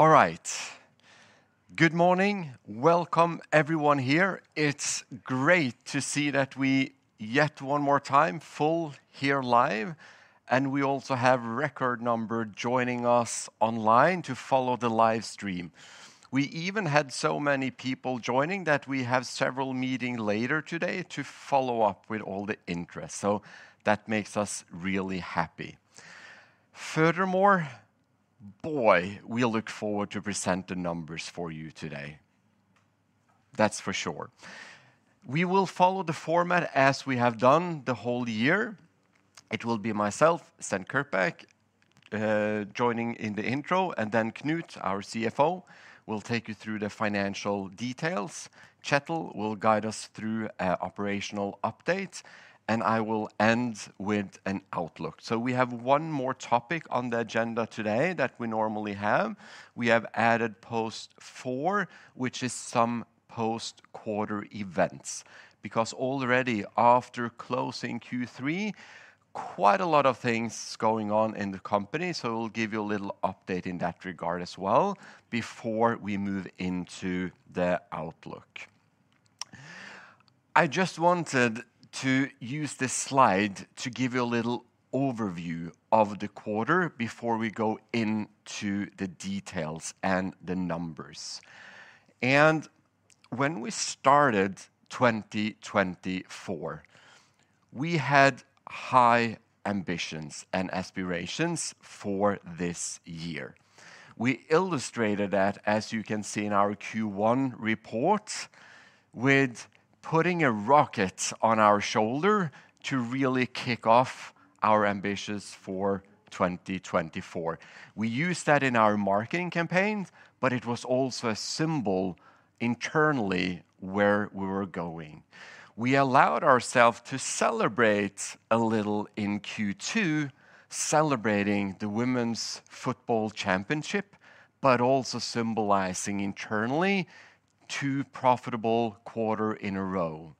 Alright, good morning. Welcome, everyone here. It's great to see that we yet one more time full here live, and we also have record number joining us online to follow the live stream. We even had so many people joining that we have several meeting later today to follow up with all the interest, so that makes us really happy. Furthermore, boy, we look forward to present the numbers for you today. That's for sure. We will follow the format as we have done the whole year. It will be myself, Sten Kirkbak, joining in the intro, and then Knut, our CFO, will take you through the financial details. Kjetil will guide us through operational updates, and I will end with an outlook. So we have one more topic on the agenda today that we normally have. We have added post-Q4, which is some post-quarter events, because already after closing Q3, quite a lot of things going on in the company, so we'll give you a little update in that regard as well before we move into the outlook. I just wanted to use this slide to give you a little overview of the quarter before we go into the details and the numbers, and when we started 2024, we had high ambitions and aspirations for this year. We illustrated that, as you can see in our Q1 report, with putting a rocket on our shoulder to really kick off our ambitions for 2024. We used that in our marketing campaign, but it was also a symbol internally where we were going. We allowed ourselves to celebrate a little in Q2, celebrating the Women's Football Championship, but also symbolizing internally two profitable quarters in a row.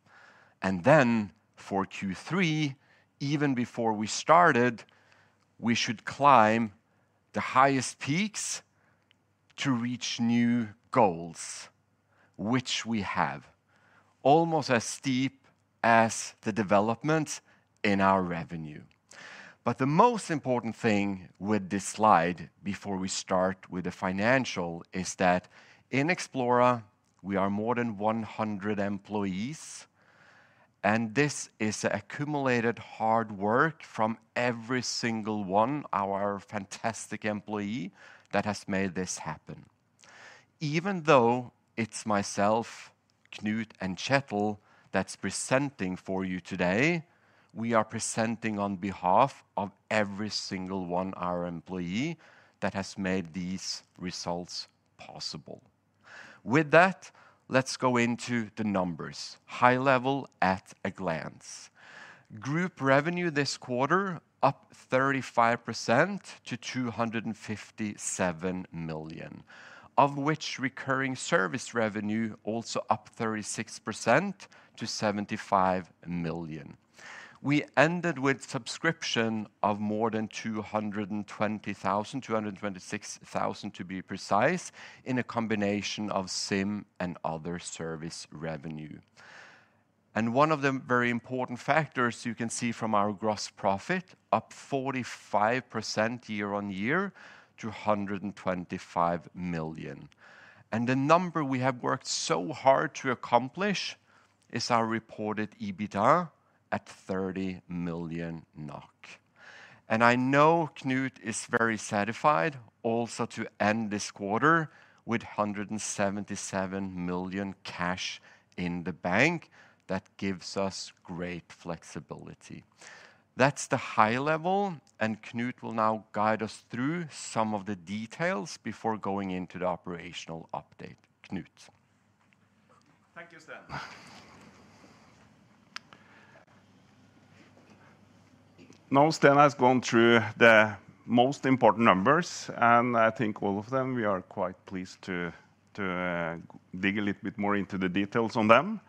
And then for Q3, even before we started, we should climb the highest peaks to reach new goals, which we have, almost as steep as the development in our revenue. But the most important thing with this slide before we start with the financial is that in Xplora, we are more than 100 employees, and this is the accumulated hard work from every single one, our fantastic employee that has made this happen. Even though it's myself, Knut, and Kjetil that's presenting for you today, we are presenting on behalf of every single one of our employees that has made these results possible. With that, let's go into the numbers, high level at a glance. Group revenue this quarter up 35% to 257 million, of which recurring service revenue also up 36% to 75 million. We ended with subscription of more than 220,000, 226,000 to be precise, in a combination of SIM and other service revenue. And one of the very important factors you can see from our gross profit up 45% year-on-year to 125 million. And the number we have worked so hard to accomplish is our reported EBITDA at 30 million NOK. And I know Knut is very satisfied also to end this quarter with 177 million cash in the bank. That gives us great flexibility. That's the high level, and Knut will now guide us through some of the details before going into the operational update. Knut. Thank you, Sten. Now, Sten has gone through the most important numbers, and I think all of them we are quite pleased to dig a little bit more into the details on them.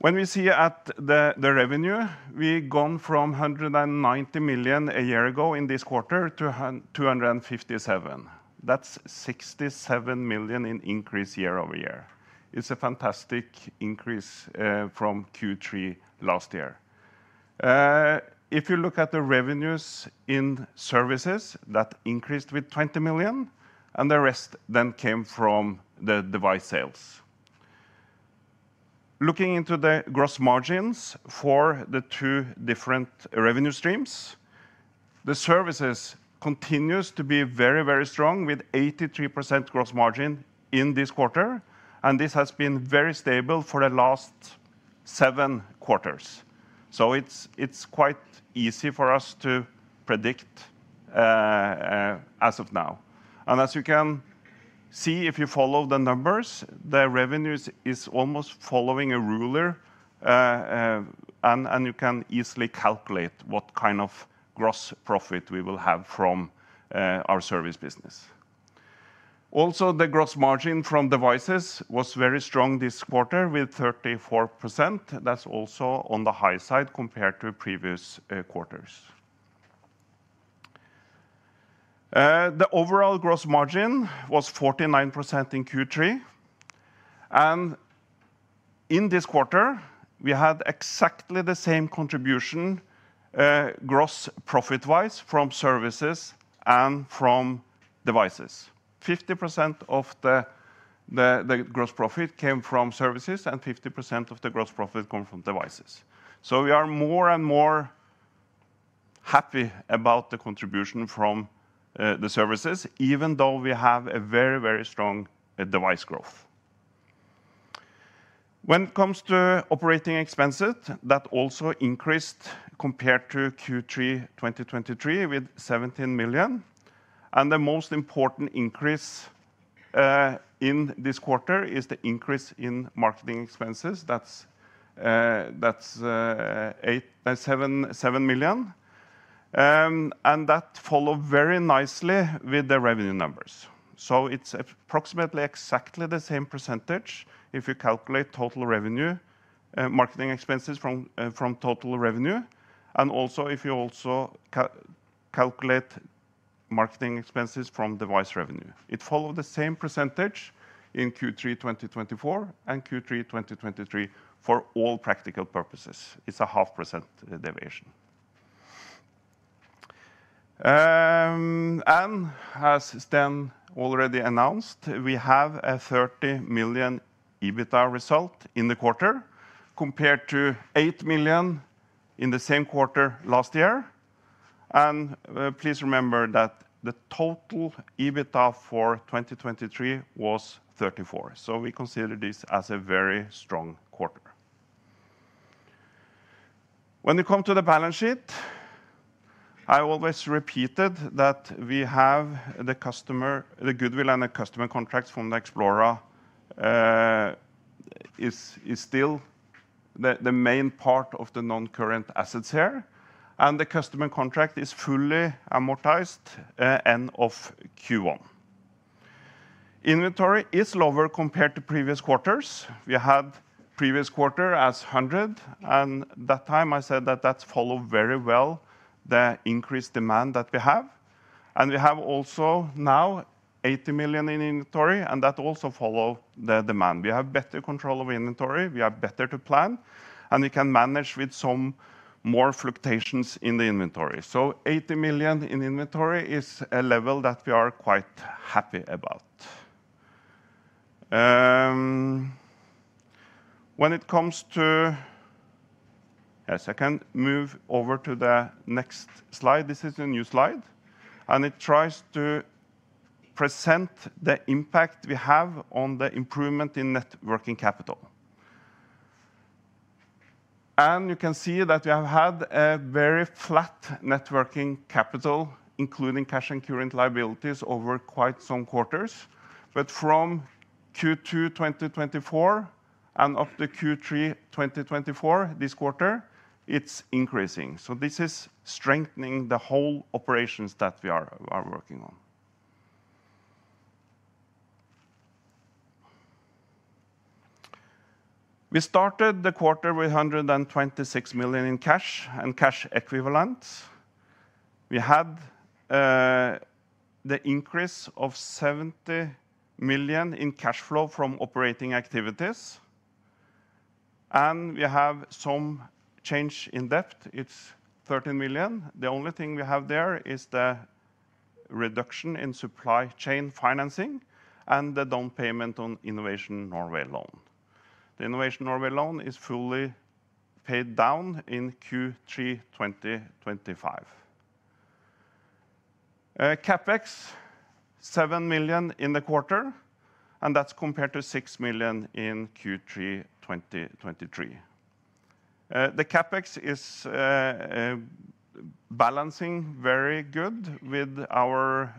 When we see at the revenue, we've gone from 190 million a year ago in this quarter to 257 million. That's 67 million in increase year-over-year. It's a fantastic increase from Q3 last year. If you look at the revenues in services, that increased with 20 million, and the rest then came from the device sales. Looking into the gross margins for the two different revenue streams, the services continues to be very, very strong with 83% gross margin in this quarter, and this has been very stable for the last seven quarters. So it's quite easy for us to predict, as of now. And as you can see, if you follow the numbers, the revenues is almost following a ruler, and you can easily calculate what kind of gross profit we will have from our service business. Also, the gross margin from devices was very strong this quarter with 34%. That's also on the high side compared to previous quarters. The overall gross margin was 49% in Q3, and in this quarter, we had exactly the same contribution, gross profit-wise, from services and from devices. 50% of the gross profit came from services, and 50% of the gross profit came from devices. So we are more and more happy about the contribution from the services, even though we have a very, very strong device growth. When it comes to operating expenses, that also increased compared to Q3 2023 with 17 million. And the most important increase in this quarter is the increase in marketing expenses. That's 7 million. And that followed very nicely with the revenue numbers. So it's approximately exactly the same percentage if you calculate marketing expenses from total revenue, and also if you calculate marketing expenses from device revenue. It followed the same percentage in Q3 2024 and Q3 2023 for all practical purposes. It's a 0.5% deviation. And as Sten already announced, we have an 30 million EBITDA result in the quarter compared to 8 million in the same quarter last year. And please remember that the total EBITDA for 2023 was 34 million. So we consider this as a very strong quarter. When it comes to the balance sheet, I always repeated that we have the customer, the goodwill and the customer contracts from the Xplora, is still the main part of the non-current assets here, and the customer contract is fully amortized, end of Q1. Inventory is lower compared to previous quarters. We had previous quarter as 100 million, and that time I said that that's followed very well the increased demand that we have. And we have also now 80 million in inventory, and that also followed the demand. We have better control of inventory. We are better to plan, and we can manage with some more fluctuations in the inventory. So 80 million in inventory is a level that we are quite happy about. When it comes to, yes, I can move over to the next slide. This is a new slide, and it tries to present the impact we have on the improvement in net working capital. And you can see that we have had a very flat net working capital, including cash and current liabilities over quite some quarters. But from Q2 2024 and up to Q3 2024 this quarter, it's increasing. So this is strengthening the whole operations that we are working on. We started the quarter with 126 million in cash and cash equivalents. We had the increase of 70 million in cash flow from operating activities, and we have some change in debt. It's 13 million. The only thing we have there is the reduction in supply chain financing and the down payment on Innovation Norway loan. The Innovation Norway loan is fully paid down in Q3 2025. CapEx, 7 million in the quarter, and that's compared to 6 million in Q3 2023. The CapEx is balancing very good with our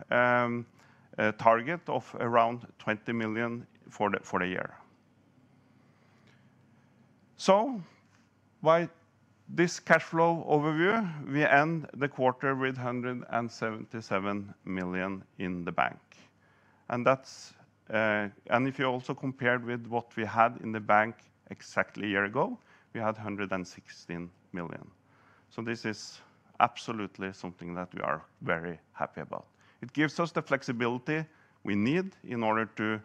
target of around 20 million for the year. So by this cash flow overview, we end the quarter with 177 million in the bank. And that's, and if you also compared with what we had in the bank exactly a year ago, we had 116 million. So this is absolutely something that we are very happy about. It gives us the flexibility we need in order to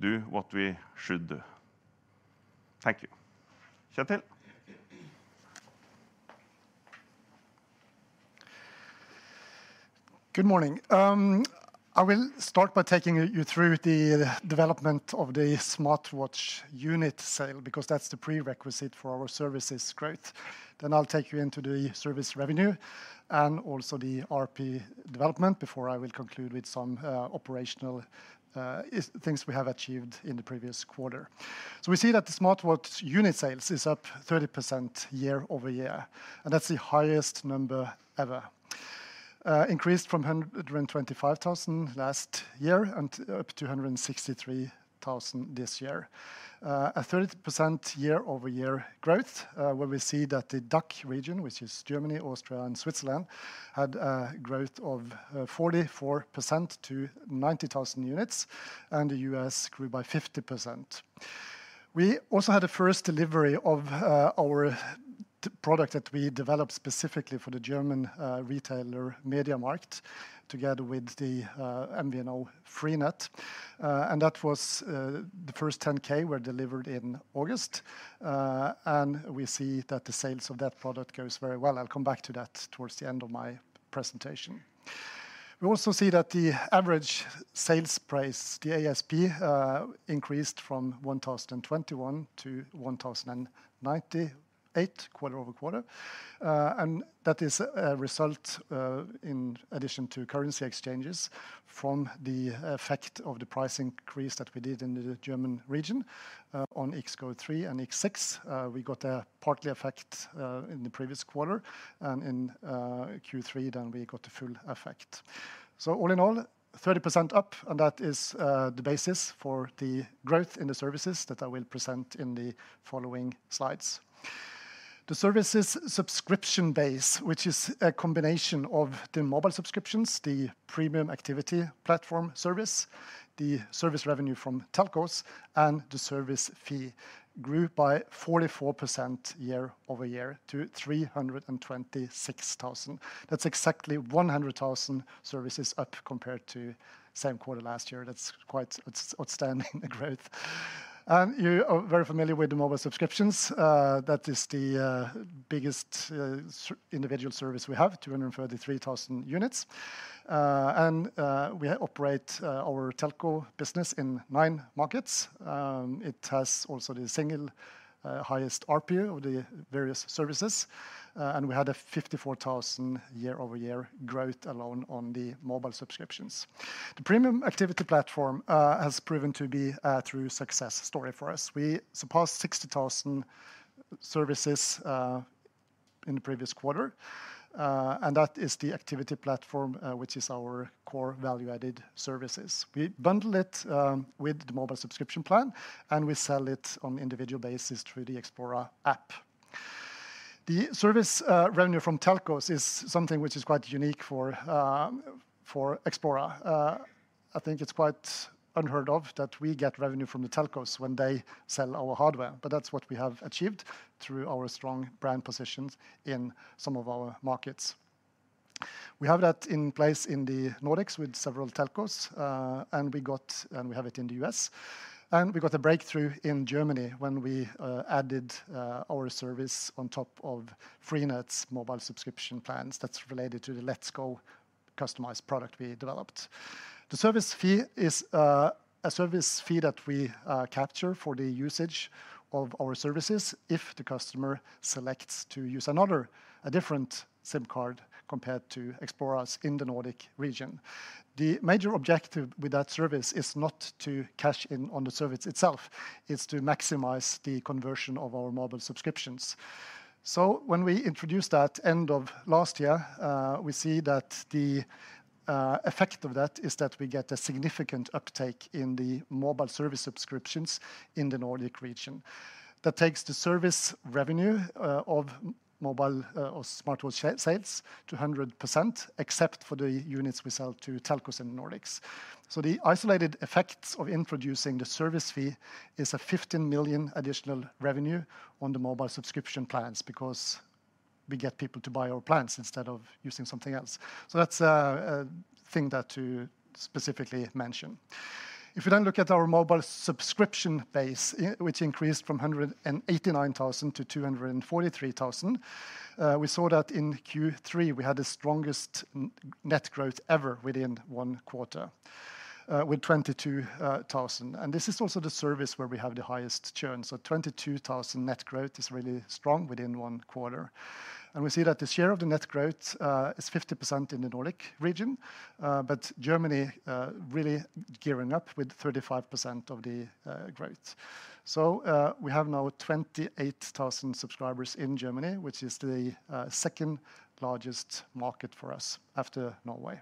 do what we should do. Thank you. Kjetil. Good morning. I will start by taking you through the development of the smartwatch unit sale because that's the prerequisite for our services growth. Then I'll take you into the service revenue and also the ARPU development before I will conclude with some operational things we have achieved in the previous quarter. So we see that the smartwatch unit sales is up 30% year-over-year, and that's the highest number ever, increased from 125,000 last year and up to 163,000 this year. A 30% year-over-year growth, where we see that the DACH region, which is Germany, Austria, and Switzerland, had a growth of 44% to 90,000 units, and the U.S. grew by 50%. We also had a first delivery of our product that we developed specifically for the German retailer MediaMarkt together with the MVNO Freenet. And that was the first 10K were delivered in August. And we see that the sales of that product goes very well. I'll come back to that towards the end of my presentation. We also see that the average sales price, the ASP, increased from 1,021 to 1,098 quarter-over-quarter. And that is a result, in addition to currency exchanges from the effect of the price increase that we did in the German region, on XGO3 and X6. We got a partly effect, in the previous quarter, and in, Q3 then we got the full effect. So all in all, 30% up, and that is, the basis for the growth in the services that I will present in the following slides. The services subscription base, which is a combination of the mobile subscriptions, the premium activity platform service, the service revenue from telcos, and the service fee grew by 44% year-over-year to 326,000. That's exactly 100,000 services up compared to same quarter last year. That's quite outstanding growth. And you are very familiar with the mobile subscriptions. That is the biggest individual service we have, 233,000 units. And we operate our telco business in nine markets. It has also the single highest ARPU of the various services. And we had a 54,000 year-over-year growth alone on the mobile subscriptions. The premium activity platform has proven to be true success story for us. We surpassed 60,000 services in the previous quarter. And that is the activity platform, which is our core value-added services. We bundle it with the mobile subscription plan, and we sell it on an individual basis through the Xplora app. The service revenue from telcos is something which is quite unique for Xplora. I think it's quite unheard of that we get revenue from the telcos when they sell our hardware, but that's what we have achieved through our strong brand positions in some of our markets. We have that in place in the Nordics with several telcos, and we have it in the US, and we got a breakthrough in Germany when we added our service on top of Freenet's mobile subscription plans. That's related to the XGO customized product we developed. The service fee is a service fee that we capture for the usage of our services if the customer selects to use a different SIM card compared to Xplora's in the Nordic region. The major objective with that service is not to cash in on the service itself. It's to maximize the conversion of our mobile subscriptions. So when we introduced that end of last year, we see that the effect of that is that we get a significant uptake in the mobile service subscriptions in the Nordic region. That takes the service revenue of mobile or smartwatch sales to 100%, except for the units we sell to telcos in the Nordics. So the isolated effects of introducing the service fee is 15 million additional revenue on the mobile subscription plans because we get people to buy our plans instead of using something else. So that's a thing that to specifically mention. If we then look at our mobile subscription base, which increased from 189,000 to 243,000, we saw that in Q3 we had the strongest net growth ever within one quarter, with 22,000. And this is also the service where we have the highest churn. So 22,000 net growth is really strong within one quarter. And we see that the share of the net growth is 50% in the Nordic region, but Germany really gearing up with 35% of the growth. So we have now 28,000 subscribers in Germany, which is the second largest market for us after Norway.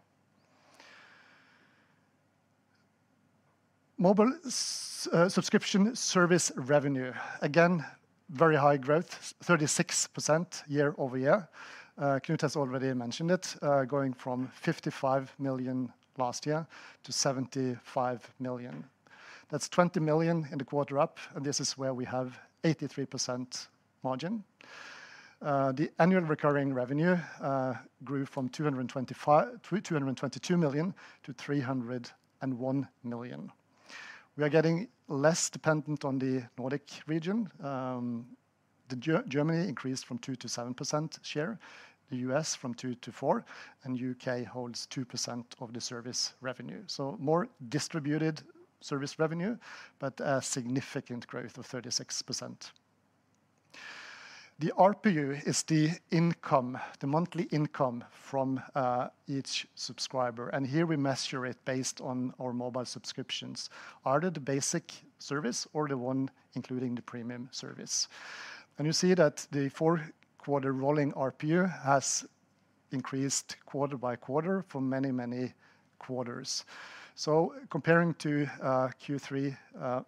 Mobile subscription service revenue again very high growth, 36% year-over-year. Knut has already mentioned it, going from 55 million last year to 75 million. That's 20 million in the quarter up, and this is where we have 83% margin. The annual recurring revenue grew from 225 million to 222 million to 301 million. We are getting less dependent on the Nordic region. The Germany increased from 2% to 7% share, the U.S. from 2% to 4%, and the U.K. holds 2% of the service revenue. So more distributed service revenue, but a significant growth of 36%. The ARPU is the income, the monthly income from each subscriber, and here we measure it based on our mobile subscriptions. Are they the basic service or the one including the premium service? And you see that the four-quarter rolling ARPU has increased quarter by quarter for many, many quarters. So comparing to Q3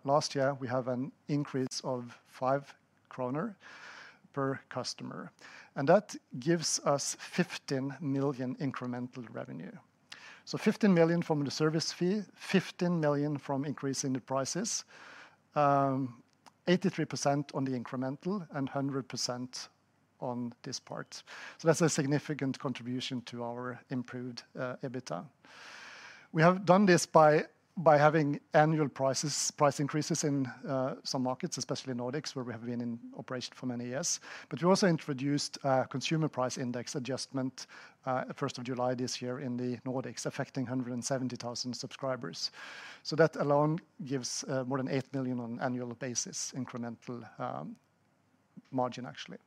last year, we have an increase of 5 per customer, and that gives us 15 million incremental revenue. So 15 million from the service fee, 15 million from increasing the prices, 83% on the incremental and 100% on this part. So that's a significant contribution to our improved EBITDA. We have done this by having annual price increases in some markets, especially Nordics, where we have been in operation for many years. But we also introduced a consumer price index adjustment first of July this year in the Nordics, affecting 170,000 subscribers. So that alone gives more than 8 million on an annual basis incremental margin actually.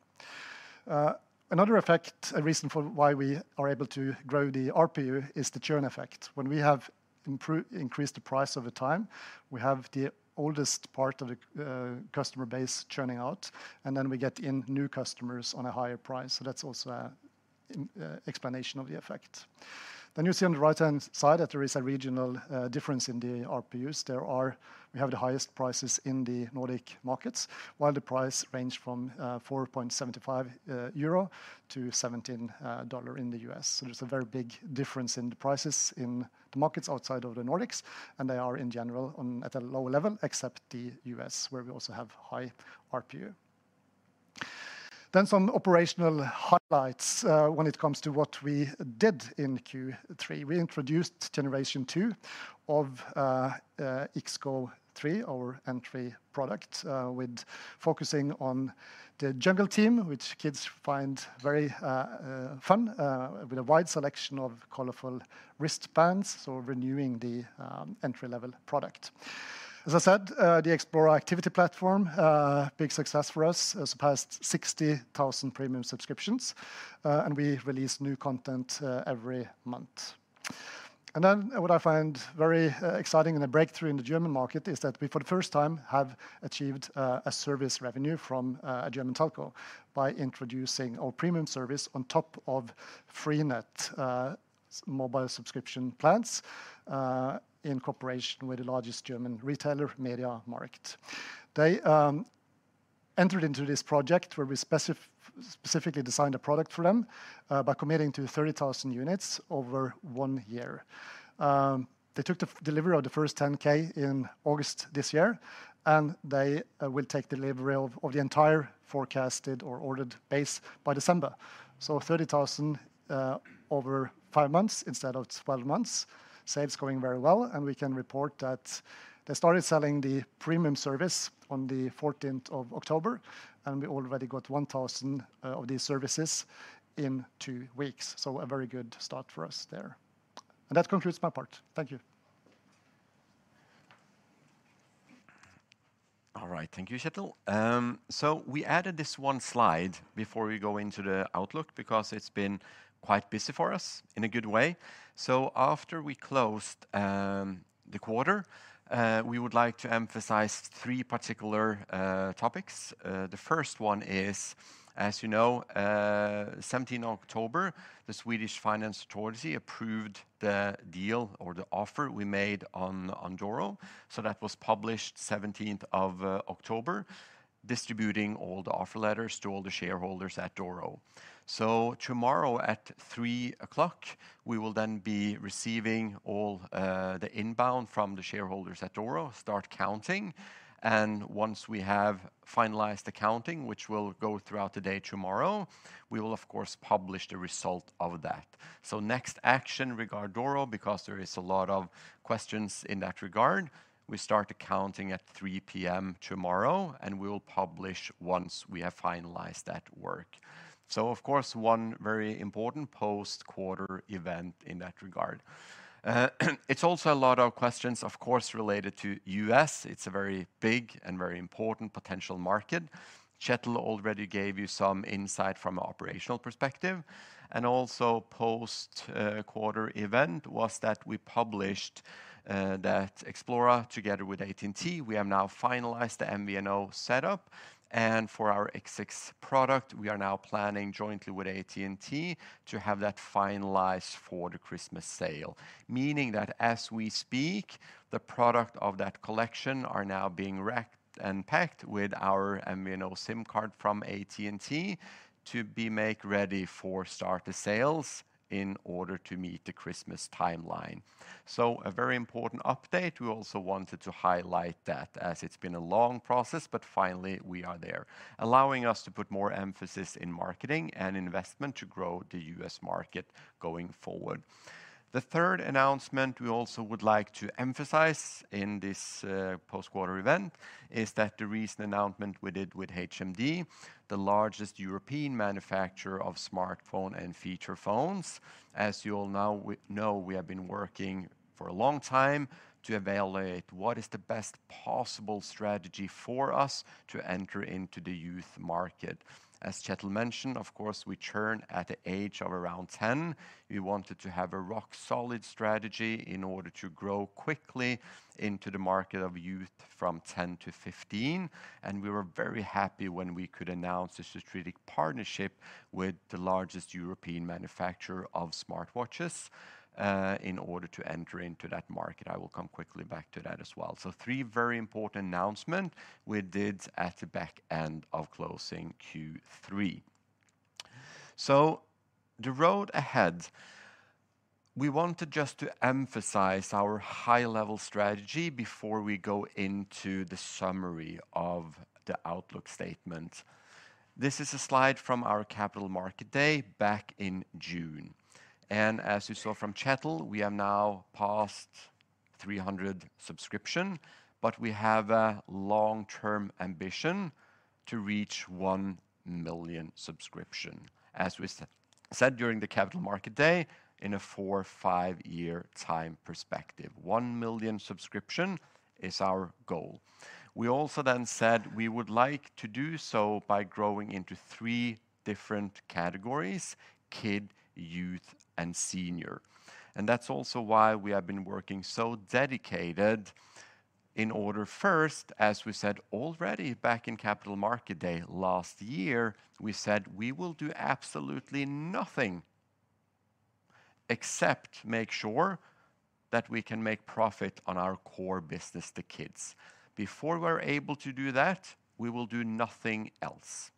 Another effect, a reason for why we are able to grow the ARPU, is the churn effect. When we have improved, increased the price over time, we have the oldest part of the customer base churning out, and then we get in new customers on a higher price. So that's also a explanation of the effect. Then you see on the right-hand side that there is a regional difference in the ARPUs. There, we have the highest prices in the Nordic markets, while the price ranged from 4.75 euro to $17 in the U.S. So there's a very big difference in the prices in the markets outside of the Nordics, and they are in general on at a lower level except the U.S. where we also have high ARPU. Then some operational highlights, when it comes to what we did in Q3. We introduced generation two of XGO3, our entry product, with focusing on the jungle theme, which kids find very fun, with a wide selection of colorful wristbands. Renewing the entry-level product. As I said, the Xplora Activity Platform, big success for us, surpassed 60,000 premium subscriptions, and we release new content every month. Then what I find very exciting and a breakthrough in the German market is that we for the first time have achieved a service revenue from a German telco by introducing our premium service on top of Freenet mobile subscription plans in cooperation with the largest German retailer MediaMarkt. They entered into this project where we specifically designed a product for them by committing to 30,000 units over one year. They took the delivery of the first 10,000 in August this year, and they will take delivery of the entire forecasted or ordered base by December. So 30,000 over five months instead of 12 months, sales going very well, and we can report that they started selling the premium service on the 14th of October, and we already got 1,000 of these services in two weeks. So a very good start for us there. And that concludes my part. Thank you. All right. Thank you, Kjetil. So we added this one slide before we go into the outlook because it's been quite busy for us in a good way. So after we closed the quarter, we would like to emphasize three particular topics. The first one is, as you know, 17 October, the Swedish Financial Supervisory Authority approved the deal or the offer we made on Doro. So that was published 17th of October, distributing all the offer letters to all the shareholders at Doro. So tomorrow at three o'clock, we will then be receiving all the inbound from the shareholders at Doro, start counting, and once we have finalized the counting, which will go throughout the day tomorrow, we will of course publish the result of that. Next action regarding Doro, because there is a lot of questions in that regard, we start accounting at 3:00 P.M. tomorrow, and we'll publish once we have finalized that work. Of course, one very important post-quarter event in that regard. It's also a lot of questions, of course, related to the U.S. It's a very big and very important potential market. Kjetil already gave you some insight from an operational perspective, and also post-quarter event was that we published, that Xplora together with AT&T. We have now finalized the MVNO setup, and for our X6 product, we are now planning jointly with AT&T to have that finalized for the Christmas sale, meaning that as we speak, the product of that collection is now being wrapped and packed with our MVNO SIM card from AT&T to be made ready for start of sales in order to meet the Christmas timeline. So a very important update. We also wanted to highlight that as it's been a long process, but finally we are there, allowing us to put more emphasis in marketing and investment to grow the U.S. market going forward. The third announcement we also would like to emphasize in this post-quarter event is that the recent announcement we did with HMD, the largest European manufacturer of smartphones and feature phones. As you all now know, we have been working for a long time to evaluate what is the best possible strategy for us to enter into the youth market. As Kjetil mentioned, of course, we churn at the age of around 10. We wanted to have a rock-solid strategy in order to grow quickly into the market of youth from 10-15, and we were very happy when we could announce this strategic partnership with the largest European manufacturer of smartwatches, in order to enter into that market. I will come quickly back to that as well, so three very important announcements we did at the back end of closing Q3, so the road ahead, we wanted just to emphasize our high-level strategy before we go into the summary of the outlook statement. This is a slide from our Capital Market Day back in June, and as you saw from Kjetil, we are now past 300 subscriptions, but we have a long-term ambition to reach 1 million subscriptions, as we said during the Capital Market Day in a four-five-year time perspective. 1 million subscription is our goal. We also then said we would like to do so by growing into three different categories: kid, youth, and senior. And that's also why we have been working so dedicated in order first, as we said already back in Capital Market Day last year, we said we will do absolutely nothing except make sure that we can make profit on our core business, the kids. Before we're able to do that, we will do nothing else.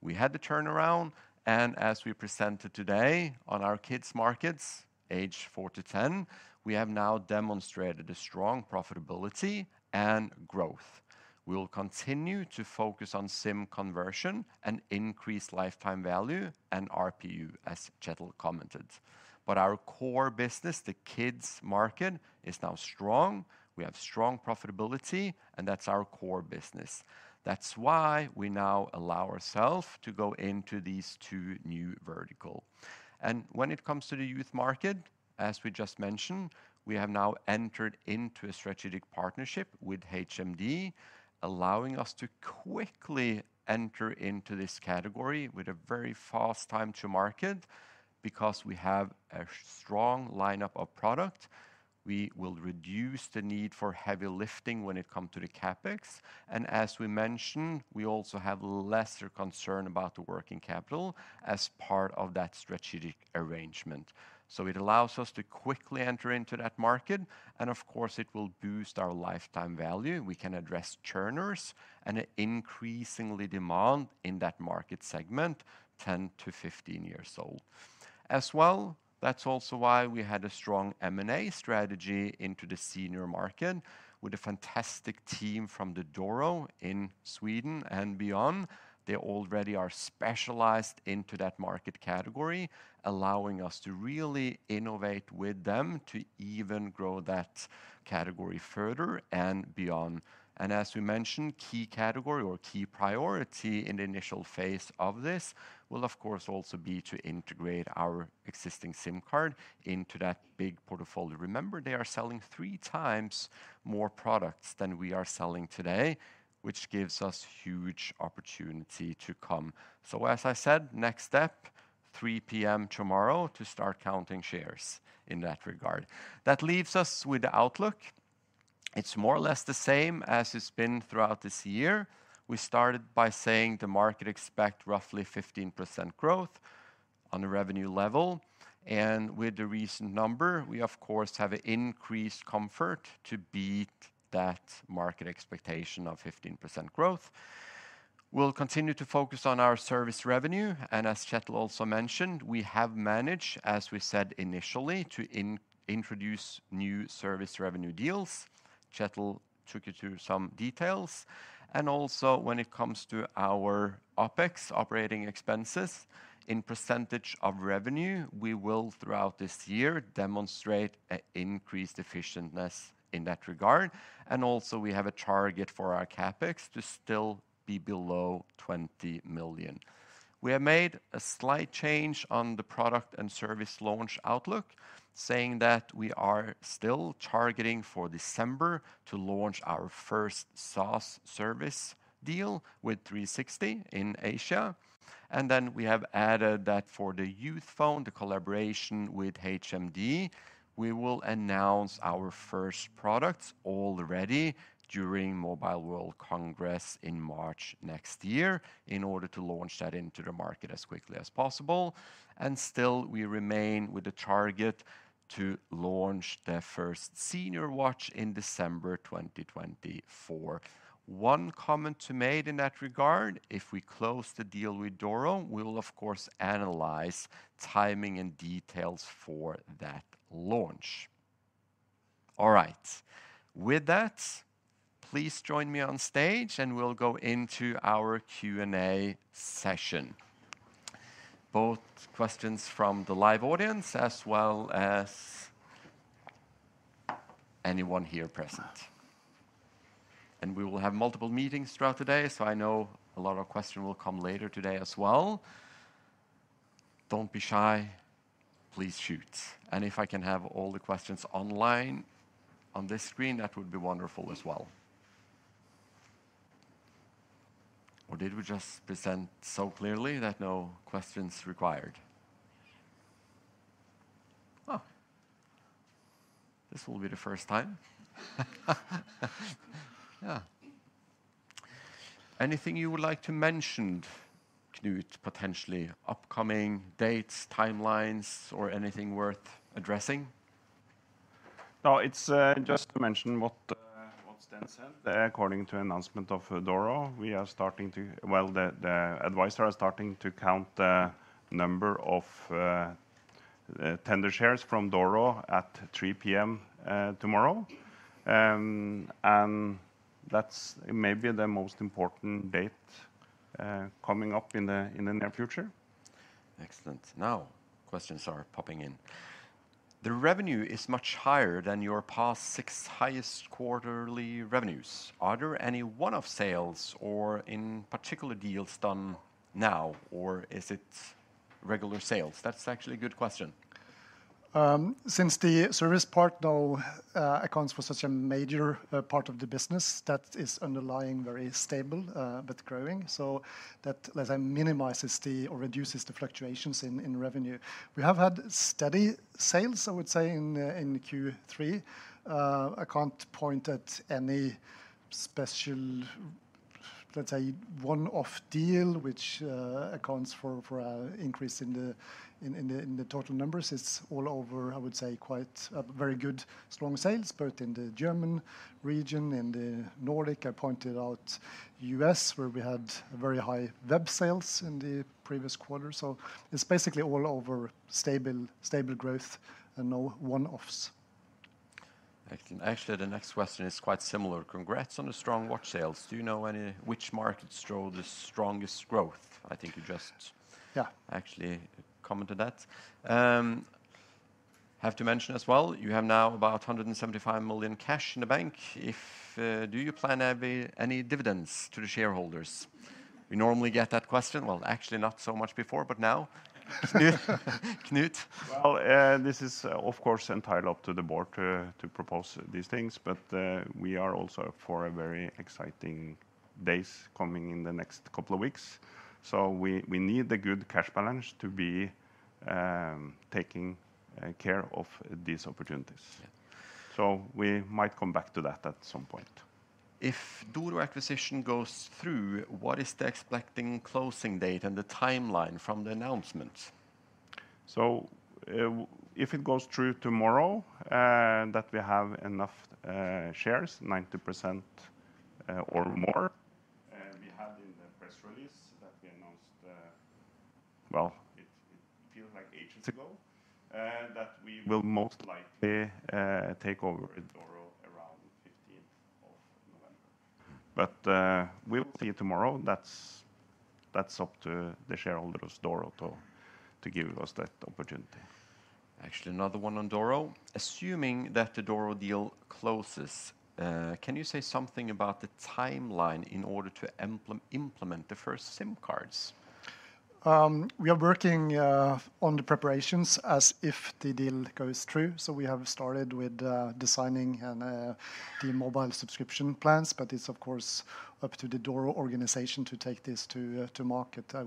We had the turnaround, and as we presented today on our kids' markets, age four to 10, we have now demonstrated a strong profitability and growth. We'll continue to focus on SIM conversion and increased lifetime value and ARPU, as Kjetil commented, but our core business, the kids' market, is now strong. We have strong profitability, and that's our core business. That's why we now allow ourselves to go into these two new verticals, and when it comes to the youth market, as we just mentioned, we have now entered into a strategic partnership with HMD, allowing us to quickly enter into this category with a very fast time to market because we have a strong lineup of products. We will reduce the need for heavy lifting when it comes to the CapEx. As we mentioned, we also have lesser concern about the working capital as part of that strategic arrangement. It allows us to quickly enter into that market, and of course, it will boost our lifetime value. We can address churners and an increasing demand in that market segment, 10-15 years old. As well, that's also why we had a strong M&A strategy into the senior market with a fantastic team from Doro in Sweden and beyond. They already are specialized into that market category, allowing us to really innovate with them to even grow that category further and beyond. As we mentioned, key category or key priority in the initial phase of this will, of course, also be to integrate our existing SIM card into that big portfolio. Remember, they are selling three times more products than we are selling today, which gives us huge opportunity to come. So, as I said, next step, 3:00 P.M. tomorrow to start counting shares in that regard. That leaves us with the outlook. It's more or less the same as it's been throughout this year. We started by saying the market expects roughly 15% growth on a revenue level, and with the recent number, we, of course, have increased comfort to beat that market expectation of 15% growth. We'll continue to focus on our service revenue, and as Kjetil also mentioned, we have managed, as we said initially, to introduce new service revenue deals. Kjetil took you through some details, and also when it comes to our OpEx operating expenses in percentage of revenue, we will, throughout this year, demonstrate an increased efficiency in that regard. And also, we have a target for our CapEx to still be below 20 million. We have made a slight change on the product and service launch outlook, saying that we are still targeting for December to launch our first SaaS service deal with 360 in Asia. And then we have added that for the youth phone, the collaboration with HMD, we will announce our first products already during Mobile World Congress in March next year in order to launch that into the market as quickly as possible. And still, we remain with the target to launch the first senior watch in December 2024. One comment to make in that regard: if we close the deal with Doro, we will, of course, analyze timing and details for that launch. All right. With that, please join me on stage, and we'll go into our Q&A session. Both questions from the live audience as well as anyone here present and we will have multiple meetings throughout the day, so I know a lot of questions will come later today as well. Don't be shy. Please shoot and if I can have all the questions online on this screen, that would be wonderful as well or did we just present so clearly that no questions required? Oh, this will be the first time. Yeah. Anything you would like to mention, Knut, potentially upcoming dates, timelines, or anything worth addressing? No, it's just to mention what Sten said. According to the announcement of Doro, we are starting to, well, the advisor is starting to count the number of tender shares from Doro at 3:00 P.M. tomorrow. And that's maybe the most important date coming up in the near future. Excellent. Now, questions are popping in. The revenue is much higher than your past six highest quarterly revenues. Are there any one-off sales or in particular deals done now, or is it regular sales? That's actually a good question. Since the service part, though, accounts for such a major part of the business that is underlying very stable but growing, so that minimizes or reduces the fluctuations in revenue. We have had steady sales, I would say, in Q3. I can't point at any special, let's say, one-off deal which accounts for an increase in the total numbers. It's all over, I would say, quite very good, strong sales, both in the German region and the Nordic. I pointed out the U.S., where we had very high web sales in the previous quarter, so it's basically all over stable growth and no one-offs. Excellent. Actually, the next question is quite similar. Congrats on the strong watch sales. Do you know which markets drove the strongest growth? I think you just actually commented that. Have to mention as well, you have now about 175 million cash in the bank. Do you plan any dividends to the shareholders? We normally get that question. Well, actually, not so much before, but now, Knut. Well, this is, of course, entirely up to the board to propose these things, but we are also for very exciting days coming in the next couple of weeks. So we need a good cash balance to be taking care of these opportunities. So we might come back to that at some point. If Doro acquisition goes through, what is the expected closing date and the timeline from the announcement? So, if it goes through tomorrow, that we have enough shares, 90% or more, we had in the press release that we announced, well, it feels like ages ago, that we will most likely take over Doro around the 15th of November. But we will see it tomorrow. That's up to the shareholders of Doro to give us that opportunity. Actually, another one on Doro. Assuming that the Doro deal closes, can you say something about the timeline in order to implement the first SIM cards? We are working on the preparations as if the deal goes through. So we have started with designing the mobile subscription plans, but it's, of course, up to the Doro organization to take this to market. I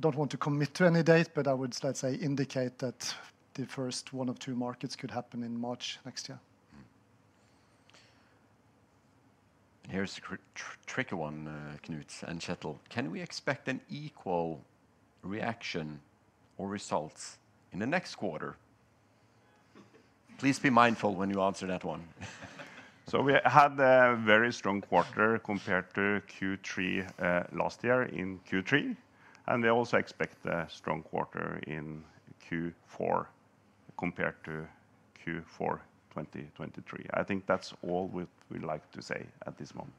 don't want to commit to any date, but I would, let's say, indicate that the first one of two markets could happen in March next year. Here's a tricky one, Knut and Kjetil. Can we expect an equal reaction or results in the next quarter? Please be mindful when you answer that one. So we had a very strong quarter compared to Q3 last year in Q3, and we also expect a strong quarter in Q4 compared to Q4 2023. I think that's all we'd like to say at this moment.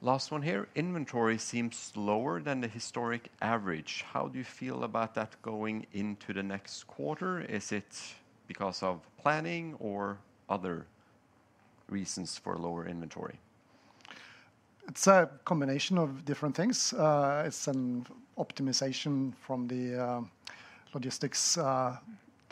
Last one here. Inventory seems slower than the historic average. How do you feel about that going into the next quarter? Is it because of planning or other reasons for lower inventory? It's a combination of different things. It's an optimization from the logistics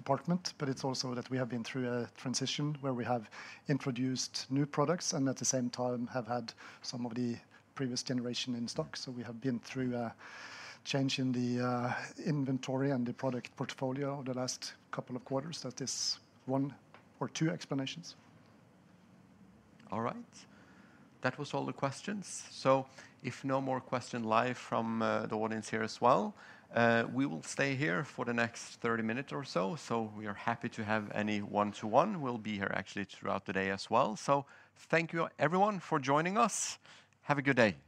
department, but it's also that we have been through a transition where we have introduced new products and at the same time have had some of the previous generation in stock. So we have been through a change in the inventory and the product portfolio over the last couple of quarters. That is one or two explanations. All right. That was all the questions. So if no more questions live from the audience here as well, we will stay here for the next 30 minutes or so. So we are happy to have any one-to-one. We'll be here actually throughout the day as well. So thank you, everyone, for joining us. Have a good day.